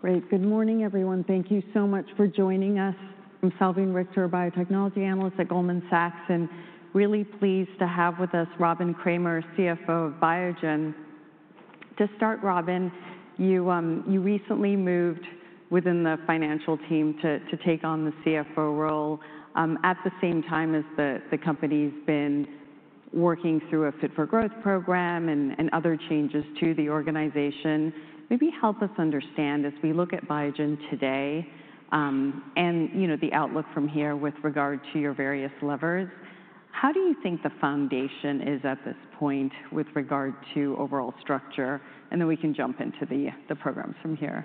Great. Good morning, everyone. Thank you so much for joining us. I'm Salveen Richter, a biotechnology analyst at Goldman Sachs, and really pleased to have with us Robin Kramer, CFO of Biogen. To start, Robin, you recently moved within the financial team to take on the CFO role at the same time as the company has been working through a Fit for Growth program and other changes to the organization. Maybe help us understand, as we look at Biogen today and the outlook from here with regard to your various levers, how do you think the foundation is at this point with regard to overall structure? Then we can jump into the programs from here.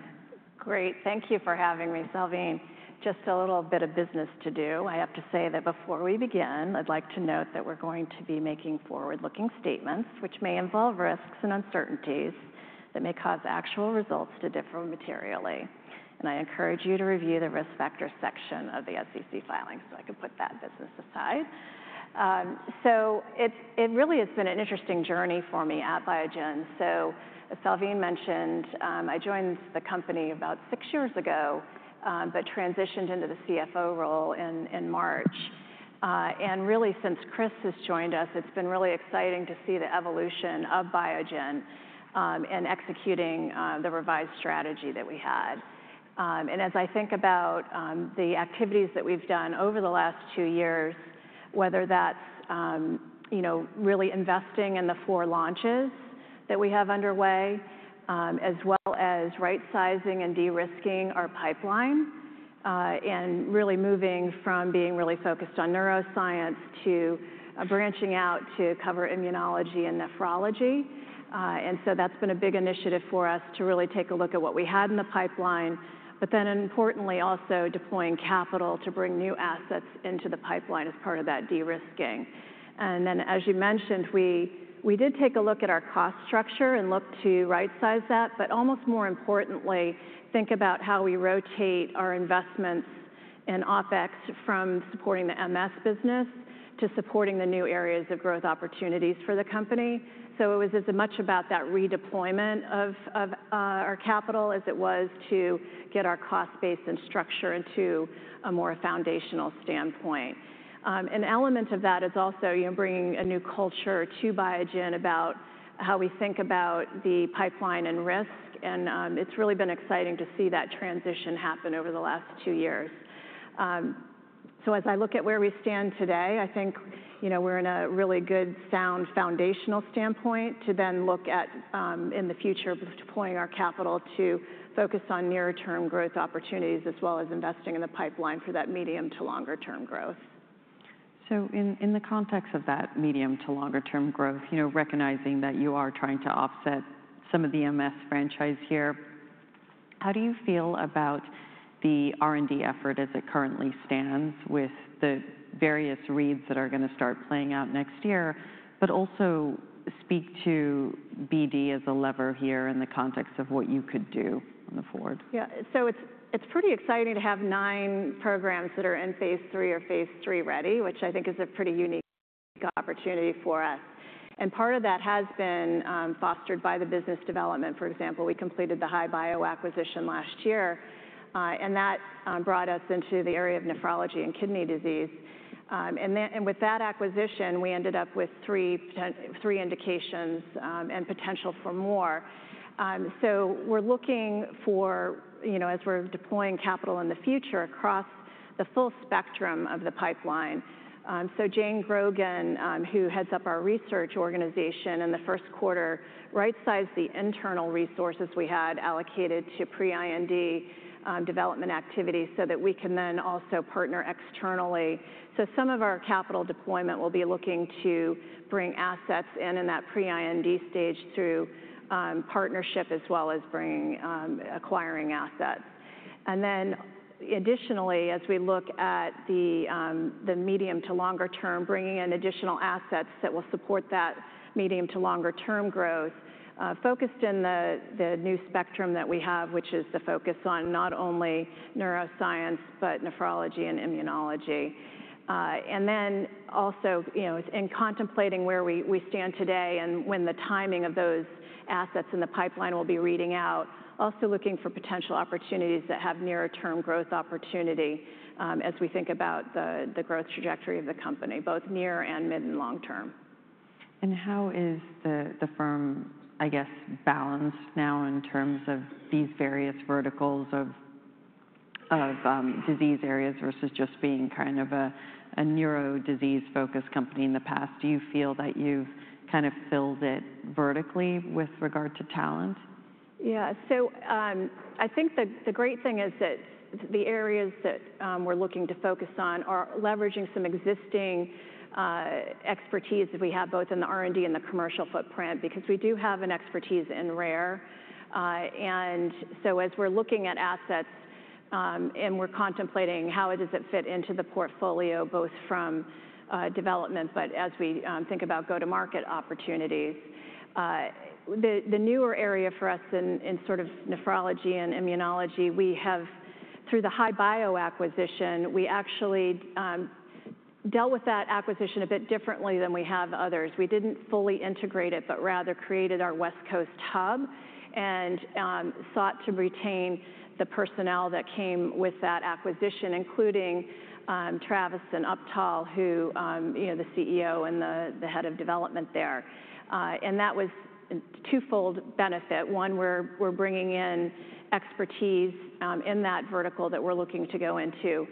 Great. Thank you for having me. Salveen, just a little bit of business to do. I have to say that before we begin, I'd like to note that we're going to be making forward-looking statements, which may involve risks and uncertainties that may cause actual results to differ materially. I encourage you to review the risk factor section of the SEC filing so I can put that business aside. It really has been an interesting journey for me at Biogen. As Salveen mentioned, I joined the company about six years ago, but transitioned into the CFO role in March. Really, since Chris has joined us, it's been really exciting to see the evolution of Biogen in executing the revised strategy that we had. As I think about the activities that we've done over the last two years, whether that's really investing in the four launches that we have underway, as well as right-sizing and de-risking our pipeline, and really moving from being really focused on neuroscience to branching out to cover immunology and nephrology. That's been a big initiative for us to really take a look at what we had in the pipeline, but then, importantly, also deploying capital to bring new assets into the pipeline as part of that de-risking. Then, as you mentioned, we did take a look at our cost structure and looked to right-size that, but almost more importantly, think about how we rotate our investments in OpEx from supporting the MS business to supporting the new areas of growth opportunities for the company. It was as much about that redeployment of our capital as it was to get our cost base and structure into a more foundational standpoint. An element of that is also bringing a new culture to Biogen about how we think about the pipeline and risk. It's really been exciting to see that transition happen over the last two years. As I look at where we stand today, I think we're in a really good, sound foundational standpoint to then look at, in the future, deploying our capital to focus on near-term growth opportunities, as well as investing in the pipeline for that medium to longer-term growth. In the co``ntext of that medium to longer-term growth, recognizing that you are trying to offset some of the MS franchise here, how do you feel about the R&D effort as it currently stands with the various reads that are going to start playing out next year, but also speak to BD as a lever here in the context of what you could do on the forward? Yeah. So it's pretty exciting to have nine programs that are in phase three or phase three ready, which I think is a pretty unique opportunity for us. Part of that has been fostered by the business development. For example, we completed the HI-Bio acquisition last year, and that brought us into the area of nephrology and kidney disease. With that acquisition, we ended up with three indications and potential for more. We're looking for, as we're deploying capital in the future, across the full spectrum of the pipeline. Jane Grogan, who heads up our research organization, in the first quarter right-sized the internal resources we had allocated to pre-IND development activities so that we can then also partner externally. Some of our capital deployment will be looking to bring assets in in that pre-IND stage through partnership, as well as acquiring assets. Additionally, as we look at the medium to longer term, bringing in additional assets that will support that medium to longer-term growth, focused in the new spectrum that we have, which is the focus on not only neuroscience, but nephrology and immunology. Also, in contemplating where we stand today and when the timing of those assets in the pipeline will be reading out, also looking for potential opportunities that have nearer-term growth opportunity as we think about the growth trajectory of the company, both near and mid and long term. How is the firm, I guess, balanced now in terms of these various verticals of disease areas versus just being kind of a neurodisease-focused company in the past? Do you feel that you've kind of filled it vertically with regard to talent? Yeah. I think the great thing is that the areas that we're looking to focus on are leveraging some existing expertise that we have, both in the R&D and the commercial footprint, because we do have an expertise in rare. As we're looking at assets and we're contemplating how it does it fit into the portfolio, both from development, but as we think about go-to-market opportunities, the newer area for us in sort of nephrology and immunology, we have, through the HI-Bio acquisition, we actually dealt with that acquisition a bit differently than we have others. We did not fully integrate it, but rather created our West Coast hub and sought to retain the personnel that came with that acquisition, including Travis and Uptal, who are the CEO and the head of development there. That was a twofold benefit. One, we're bringing in expertise in that vertical that we're looking to go into.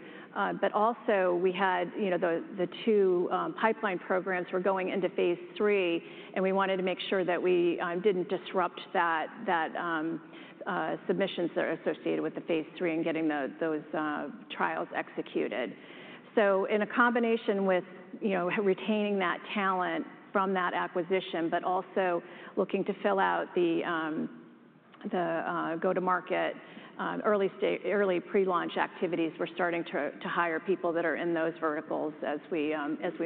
We had the two pipeline programs were going into phase three, and we wanted to make sure that we did not disrupt the submissions that are associated with the phase three and getting those trials executed. In a combination with retaining that talent from that acquisition, but also looking to fill out the go-to-market early pre-launch activities, we're starting to hire people that are in those verticals as we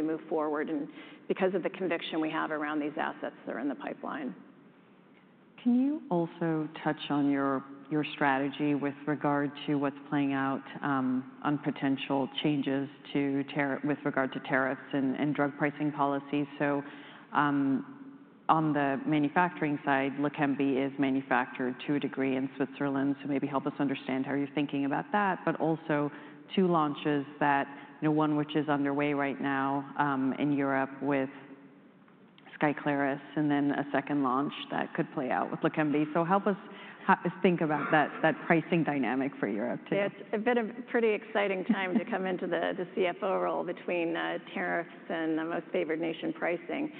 move forward, and because of the conviction we have around these assets that are in the pipeline. Can you also touch on your strategy with regard to what's playing out on potential changes with regard to tariffs and drug pricing policies? On the manufacturing side, Leqembi is manufactured to a degree in Switzerland. Maybe help us understand how you're thinking about that, but also two launches, one which is underway right now in Europe with SKYCLARYS, and then a second launch that could play out with Leqembi. Help us think about that pricing dynamic for Europe too. Yeah. It's been a pretty exciting time to come into the CFO role between tariffs and the most favored nation pricing.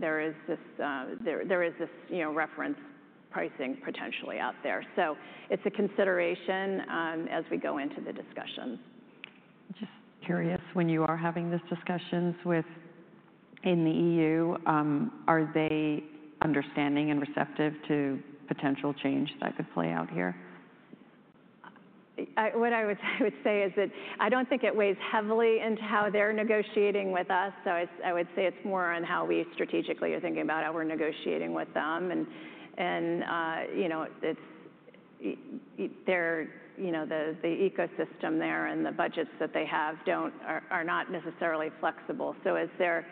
There is this reference pricing potentially out there. It is a consideration as we go into the discussions. Just curious, when you are having these discussions in the EU, are they understanding and receptive to potential change that could play out here? What I would say is that I don't think it weighs heavily into how they're negotiating with us. I would say it's more on how we strategically are thinking about how we're negotiating with them. The ecosystem there and the budgets that they have are not necessarily flexible. They're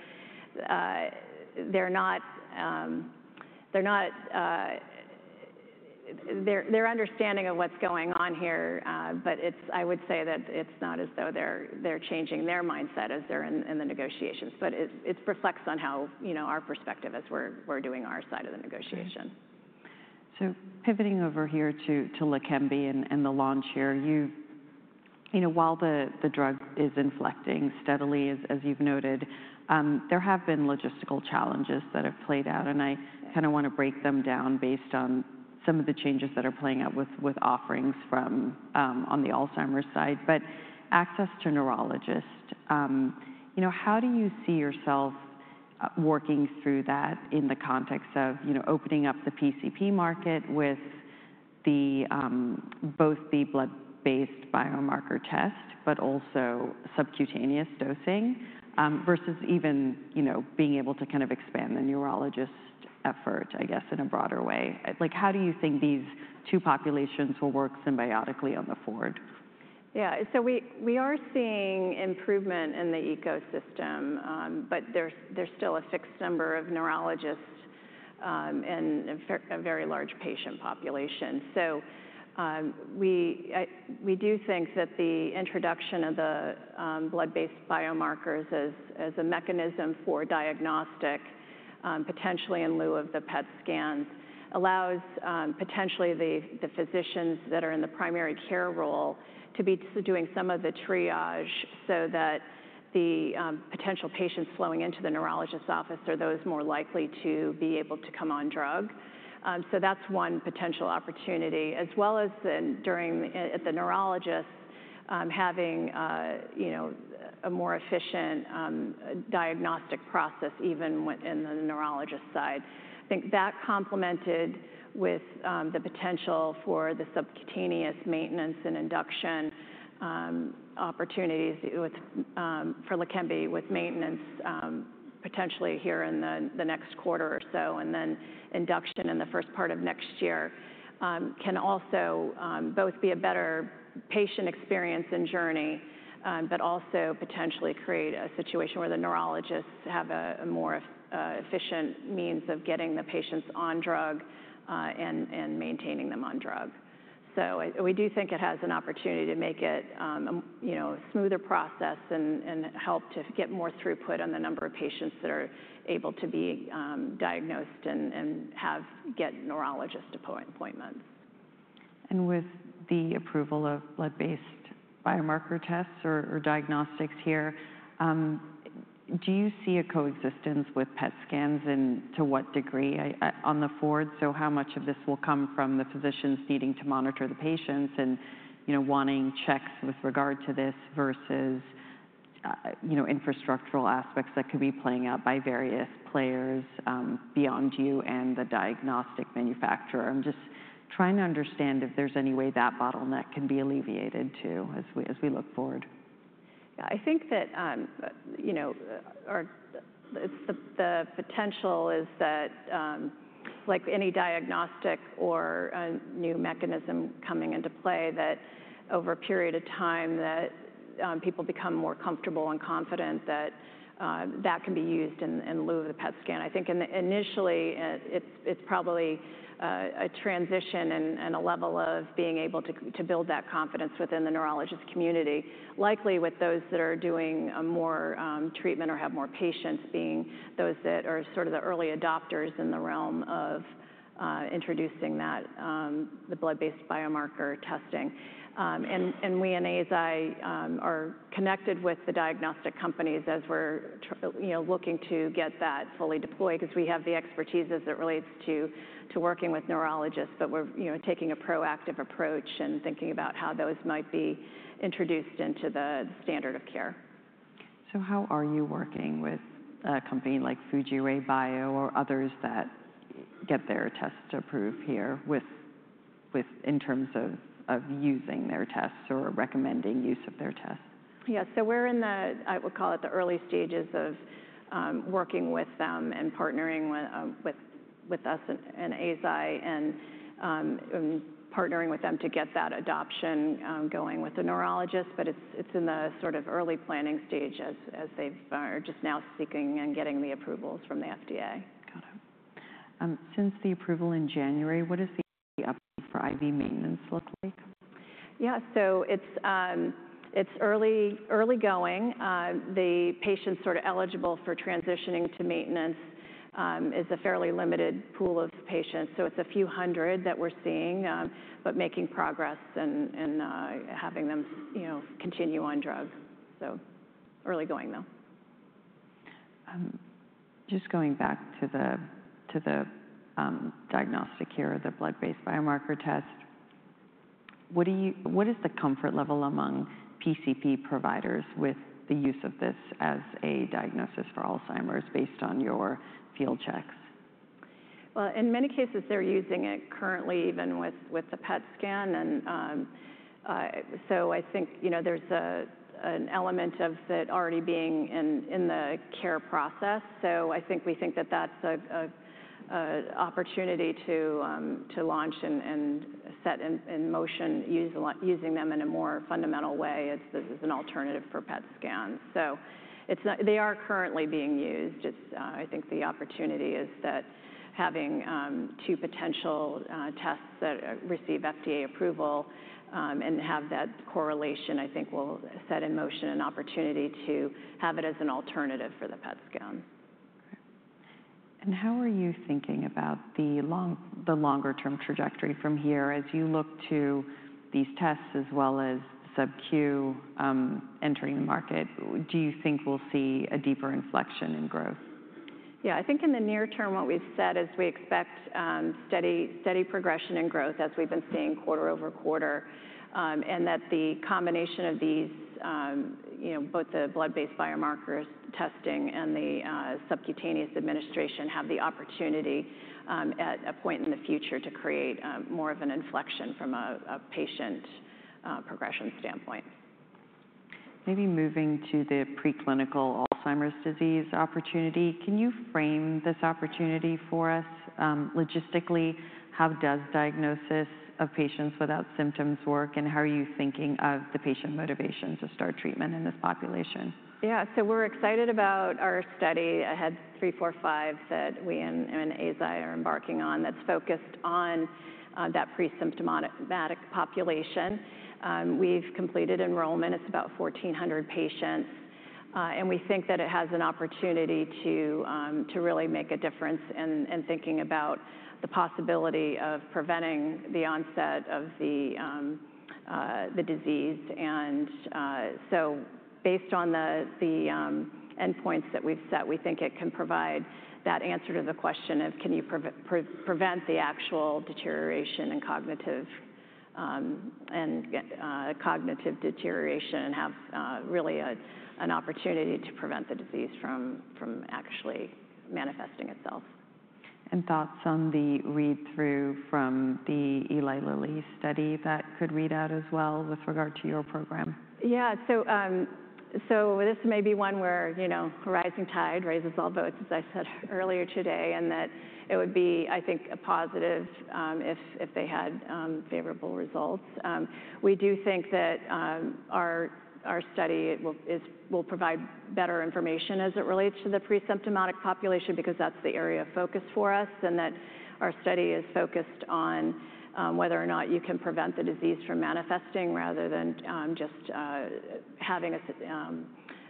understanding of what's going on here, but I would say that it's not as though they're changing their mindset as they're in the negotiations. It reflects on our perspective as we're doing our side of the negotiation. Pivoting over here to Leqembi and the launch here, while the drug is inflecting steadily, as you've noted, there have been logistical challenges that have played out. I kind of want to break them down based on some of the changes that are playing out with offerings on the Alzheimer's side. Access to neurologists, how do you see yourself working through that in the context of opening up the PCP market with both the blood-based biomarker test, but also subcutaneous dosing, versus even being able to kind of expand the neurologist effort, I guess, in a broader way? How do you think these two populations will work symbiotically on the forward? Yeah. We are seeing improvement in the ecosystem, but there's still a fixed number of neurologists and a very large patient population. We do think that the introduction of the blood-based biomarkers as a mechanism for diagnostic, potentially in lieu of the PET scans, allows potentially the physicians that are in the primary care role to be doing some of the triage so that the potential patients flowing into the neurologist's office are those more likely to be able to come on drug. That's one potential opportunity, as well as at the neurologists having a more efficient diagnostic process, even in the neurologist side. I think that complemented with the potential for the subcutaneous maintenance and induction opportunities for Leqembi with maintenance potentially here in the next quarter or so, and then induction in the first part of next year can also both be a better patient experience and journey, but also potentially create a situation where the neurologists have a more efficient means of getting the patients on drug and maintaining them on drug. We do think it has an opportunity to make it a smoother process and help to get more throughput on the number of patients that are able to be diagnosed and get neurologist appointments. With the approval of blood-based biomarker tests or diagnostics here, do you see a coexistence with PET scans and to what degree on the forward? How much of this will come from the physicians needing to monitor the patients and wanting checks with regard to this versus infrastructural aspects that could be playing out by various players beyond you and the diagnostic manufacturer? I'm just trying to understand if there's any way that bottleneck can be alleviated too as we look forward. Yeah. I think that the potential is that, like any diagnostic or new mechanism coming into play, over a period of time, people become more comfortable and confident that that can be used in lieu of the PET scan. I think initially, it's probably a transition and a level of being able to build that confidence within the neurologist community, likely with those that are doing more treatment or have more patients being those that are sort of the early adopters in the realm of introducing the blood-based biomarker testing. We in AZI are connected with the diagnostic companies as we're looking to get that fully deployed because we have the expertise as it relates to working with neurologists, but we're taking a proactive approach and thinking about how those might be introduced into the standard of care. How are you working with a company like Fujirebio or others that get their tests approved here in terms of using their tests or recommending use of their tests? Yeah. So we're in, I would call it, the early stages of working with them and partnering with us and AZI and partnering with them to get that adoption going with the neurologists, but it's in the sort of early planning stage as they are just now seeking and getting the approvals from the FDA. Got it. Since the approval in January, what does the update for IV maintenance look like? Yeah. It is early going. The patients sort of eligible for transitioning to maintenance is a fairly limited pool of patients. It is a few hundred that we are seeing, but making progress and having them continue on drug. Early going, though. Just going back to the diagnostic here, the blood-based biomarker test, what is the comfort level among PCP providers with the use of this as a diagnosis for Alzheimer's based on your field checks? In many cases, they're using it currently, even with the PET scan. I think there's an element of that already being in the care process. I think we think that that's an opportunity to launch and set in motion, using them in a more fundamental way as an alternative for PET scans. They are currently being used. I think the opportunity is that having two potential tests that receive FDA approval and have that correlation, I think will set in motion an opportunity to have it as an alternative for the PET scan. How are you thinking about the longer-term trajectory from here as you look to these tests as well as subQ entering the market? Do you think we'll see a deeper inflection in growth? Yeah. I think in the near term, what we've said is we expect steady progression and growth as we've been seeing quarter over quarter, and that the combination of these, both the blood-based biomarker testing and the subcutaneous administration, have the opportunity at a point in the future to create more of an inflection from a patient progression standpoint. Maybe moving to the preclinical Alzheimer's disease opportunity. Can you frame this opportunity for us logistically? How does diagnosis of patients without symptoms work, and how are you thinking of the patient motivation to start treatment in this population? Yeah. We're excited about our study. Ahead three, four, five that we and AZI are embarking on that's focused on that pre-symptomatic population. We've completed enrollment. It's about 1,400 patients. We think that it has an opportunity to really make a difference in thinking about the possibility of preventing the onset of the disease. Based on the endpoints that we've set, we think it can provide that answer to the question of, can you prevent the actual deterioration and cognitive deterioration and have really an opportunity to prevent the disease from actually manifesting itself? Thoughts on the read-through from the Eli Lilly study that could read out as well with regard to your program? Yeah. This may be one where a rising tide raises all boats, as I said earlier today, and that it would be, I think, a positive if they had favorable results. We do think that our study will provide better information as it relates to the pre-symptomatic population because that's the area of focus for us, and that our study is focused on whether or not you can prevent the disease from manifesting rather than just having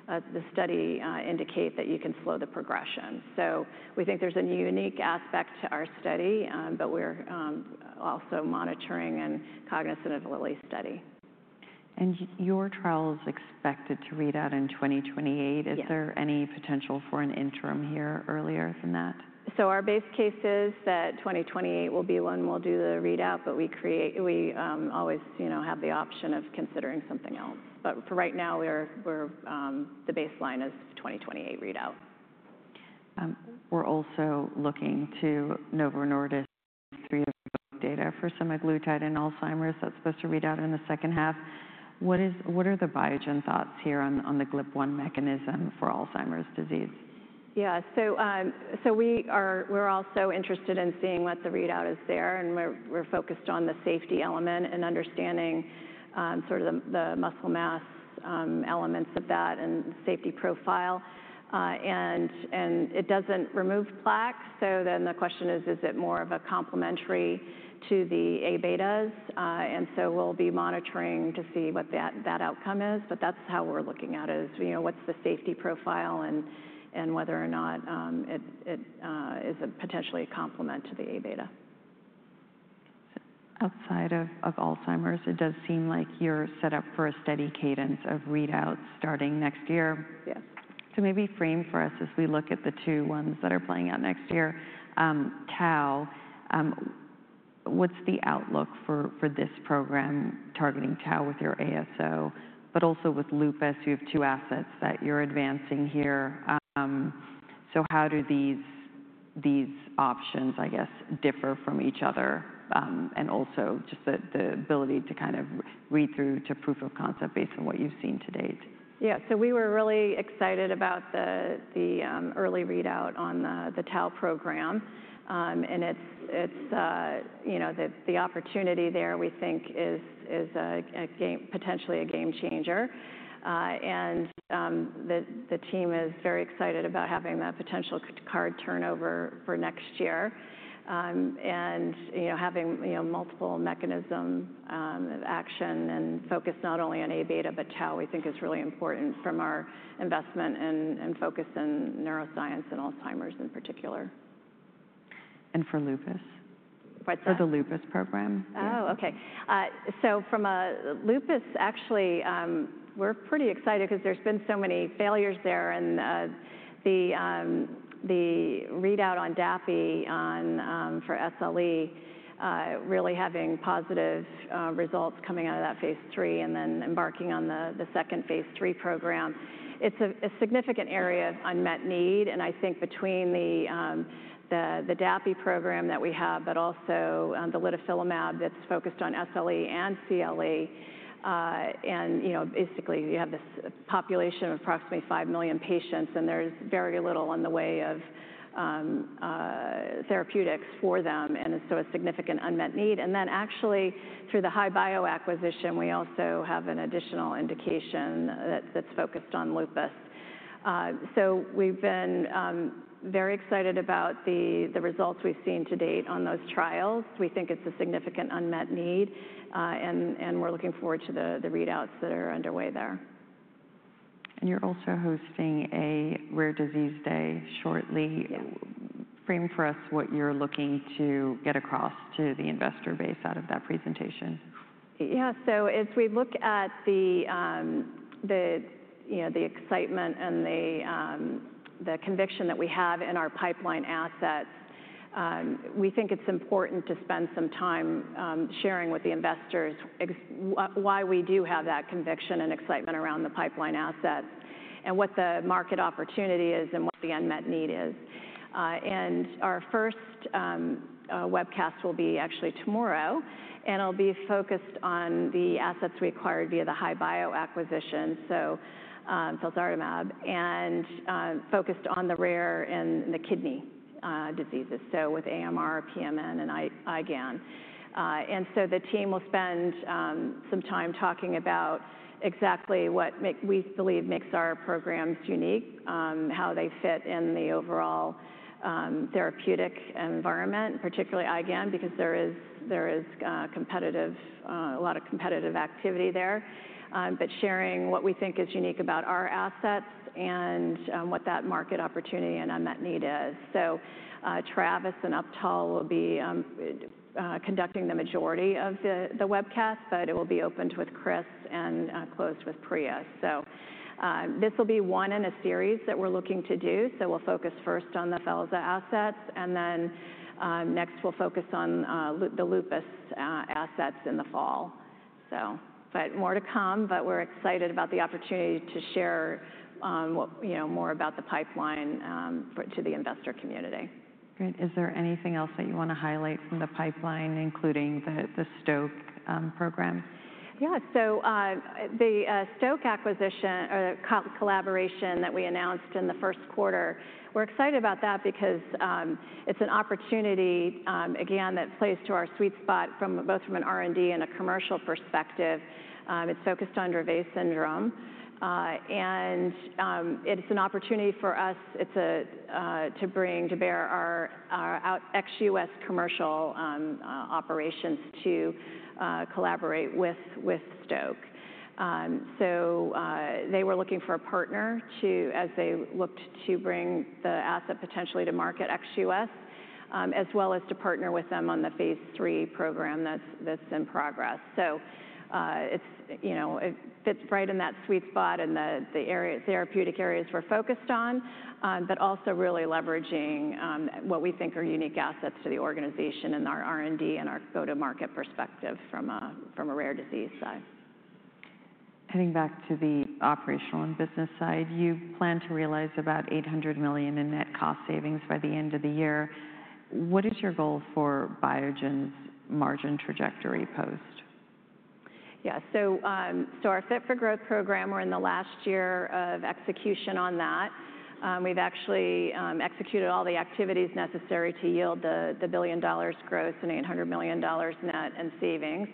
the study indicate that you can slow the progression. We think there's a unique aspect to our study, but we're also monitoring and cognizant of the Lilly study. Your trial is expected to read out in 2028. Is there any potential for an interim here earlier than that? Our base case is that 2028 will be when we'll do the readout, but we always have the option of considering something else. For right now, the baseline is 2028 readout. We're also looking to Novo Nordisk data for semaglutide in Alzheimer's. That's supposed to read out in the second half. What are the Biogen thoughts here on the GLP-1 mechanism for Alzheimer's disease? Yeah. We are also interested in seeing what the readout is there. We are focused on the safety element and understanding sort of the muscle mass elements of that and safety profile. It does not remove plaque. The question is, is it more of a complementary to the A beta? We will be monitoring to see what that outcome is. That is how we are looking at it, what is the safety profile and whether or not it is potentially a complement to the A beta. Outside of Alzheimer's, it does seem like you're set up for a steady cadence of readouts starting next year. Yes. Maybe frame for us as we look at the two ones that are playing out next year, TAU. What's the outlook for this program targeting TAU with your ASO, but also with lupus? You have two assets that you're advancing here. How do these options, I guess, differ from each other? Also just the ability to kind of read through to proof of concept based on what you've seen to date. Yeah. We were really excited about the early readout on the TAU program. The opportunity there, we think, is potentially a game changer. The team is very excited about having that potential card turnover for next year. Having multiple mechanisms of action and focus not only on A beta, but TAU, we think is really important from our investment and focus in neuroscience and Alzheimer's in particular. For lupus? What's that? For the lupus program. Oh, okay. From lupus, actually, we're pretty excited because there's been so many failures there. The readout on dapi for SLE really having positive results coming out of that phase III and then embarking on the second phase III program. It's a significant area of unmet need. I think between the dapi program that we have, but also the litifilimab that's focused on SLE and CLE, and basically, you have this population of approximately five million patients, and there's very little in the way of therapeutics for them. It's a significant unmet need. Actually, through the HI-Bio acquisition, we also have an additional indication that's focused on lupus. We've been very excited about the results we've seen to date on those trials. We think it's a significant unmet need, and we're looking forward to the readouts that are underway there. You're also hosting a Rare Disease Day shortly. Frame for us what you're looking to get across to the investor base out of that presentation. Yeah. As we look at the excitement and the conviction that we have in our pipeline assets, we think it's important to spend some time sharing with the investors why we do have that conviction and excitement around the pipeline assets and what the market opportunity is and what the unmet need is. Our first webcast will be actually tomorrow. It'll be focused on the assets we acquired via the HI-Bio acquisition, so felzartamab, and focused on the rare and the kidney diseases, with AMR, PMN, and IgAN. The team will spend some time talking about exactly what we believe makes our programs unique, how they fit in the overall therapeutic environment, particularly IgAN, because there is a lot of competitive activity there, but sharing what we think is unique about our assets and what that market opportunity and unmet need is. Travis and Uptal will be conducting the majority of the webcast, but it will be opened with Chris and closed with Priya. This will be one in a series that we're looking to do. We'll focus first on the felza assets, and then next, we'll focus on the lupus assets in the fall. More to come, but we're excited about the opportunity to share more about the pipeline to the investor community. Great. Is there anything else that you want to highlight from the pipeline, including the Stoke program? Yeah. The Stoke acquisition or the collaboration that we announced in the first quarter, we're excited about that because it's an opportunity, again, that plays to our sweet spot both from an R&D and a commercial perspective. It's focused on Dravet syndrome. It's an opportunity for us to bring to bear our ex-U.S. commercial operations to collaborate with Stoke. They were looking for a partner as they looked to bring the asset potentially to market ex-U.S., as well as to partner with them on the phase III program that's in progress. It fits right in that sweet spot in the therapeutic areas we're focused on, but also really leveraging what we think are unique assets to the organization and our R&D and our go-to-market perspective from a rare disease side. Heading back to the operational and business side, you plan to realize about $800 million in net cost savings by the end of the year. What is your goal for Biogen's margin trajectory post? Yeah. So our Fit for Growth program, we're in the last year of execution on that. We've actually executed all the activities necessary to yield the $1 billion gross and $800 million net in savings.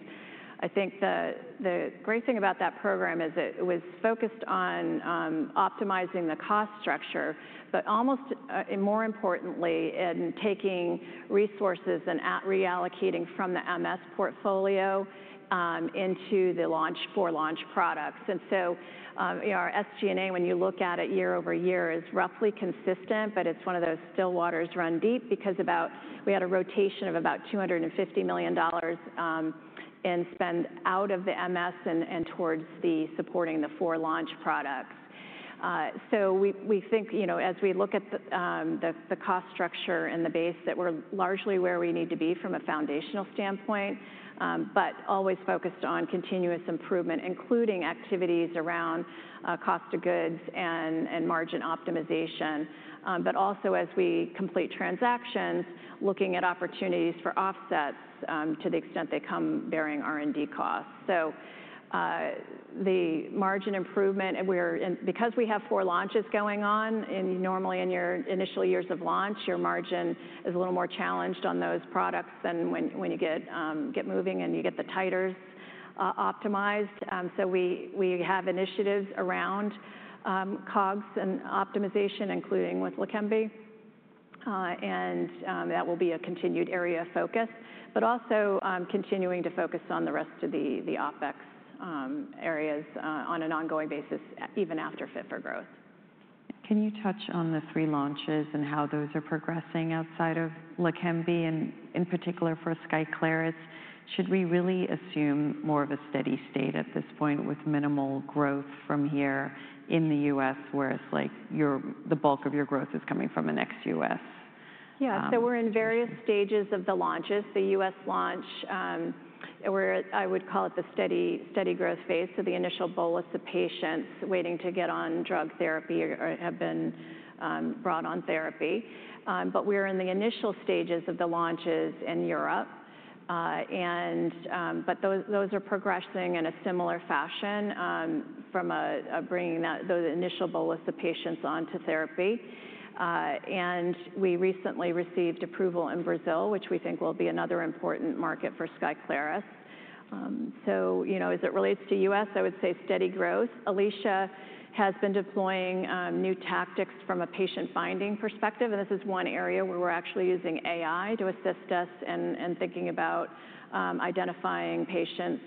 I think the great thing about that program is it was focused on optimizing the cost structure, but almost more importantly, in taking resources and reallocating from the MS portfolio into the four launch products. And so our SG&A, when you look at it year over year, is roughly consistent, but it's one of those still waters run deep because we had a rotation of about $250 million in spend out of the MS and towards the supporting the four launch products. We think as we look at the cost structure and the base, that we're largely where we need to be from a foundational standpoint, but always focused on continuous improvement, including activities around cost of goods and margin optimization. Also, as we complete transactions, looking at opportunities for offsets to the extent they come bearing R&D costs. The margin improvement, because we have four launches going on, normally in your initial years of launch, your margin is a little more challenged on those products than when you get moving and you get the titers optimized. We have initiatives around COGS and optimization, including with Leqembi, and that will be a continued area of focus, also continuing to focus on the rest of the OpEx areas on an ongoing basis, even after Fit for Growth. Can you touch on the three launches and how those are progressing outside of Leqembi, and in particular for SKYCLARYS? Should we really assume more of a steady state at this point with minimal growth from here in the U.S., where it's like the bulk of your growth is coming from an ex-U.S.? Yeah. So we're in various stages of the launches. The U.S. launch, I would call it the steady growth phase. The initial bolus of patients waiting to get on drug therapy have been brought on therapy. We're in the initial stages of the launches in Europe. Those are progressing in a similar fashion from bringing those initial bolus of patients onto therapy. We recently received approval in Brazil, which we think will be another important market for SKYCLARYS. As it relates to the U.S., I would say steady growth. Alisha has been deploying new tactics from a patient-finding perspective. This is one area where we're actually using AI to assist us in thinking about identifying patients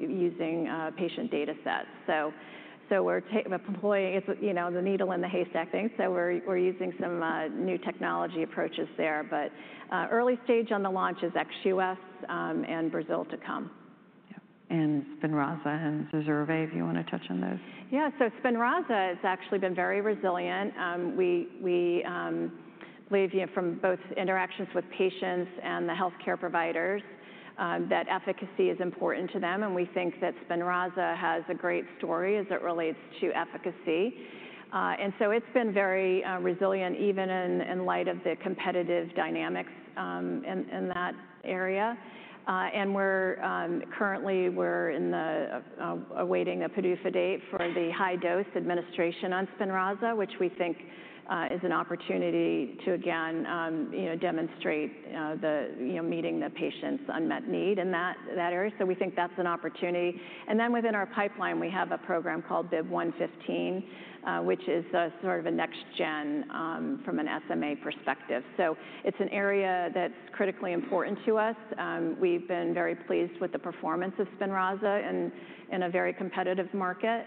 using patient data sets. We're deploying the needle in the haystack thing. We're using some new technology approaches there. Early stage on the launch is ex-U.S. and Brazil to come. Yeah. And SPINRAZA and ZURZUVAE, if you want to touch on those. Yeah. SPINRAZA has actually been very resilient. We believe from both interactions with patients and the healthcare providers that efficacy is important to them. We think that SPINRAZA has a great story as it relates to efficacy. It has been very resilient, even in light of the competitive dynamics in that area. Currently, we're awaiting a PDUFA date for the high-dose administration on SPINRAZA, which we think is an opportunity to, again, demonstrate meeting the patients' unmet need in that area. We think that's an opportunity. Within our pipeline, we have a program called BIIB115, which is sort of a next-gen from an SMA perspective. It's an area that's critically important to us. We've been very pleased with the performance of SPINRAZA in a very competitive market.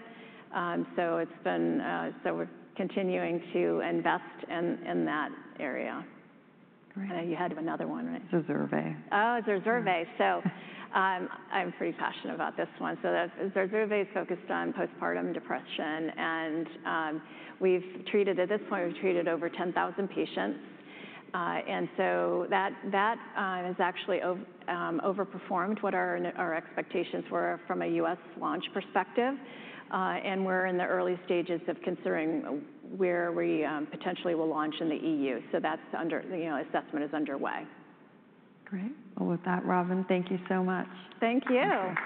We're continuing to invest in that area. Great. You had another one, right? ZURZUVAE. Oh, ZURZUVAE. So I'm pretty passionate about this one. ZURZUVAE is focused on postpartum depression. At this point, we've treated over 10,000 patients. That has actually overperformed what our expectations were from a U.S. launch perspective. We're in the early stages of considering where we potentially will launch in the EU. That assessment is underway. Great. With that, Robin, thank you so much. Thank you. Thanks.